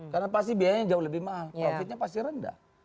karena pasti biayanya jauh lebih mahal profitnya pasti rendah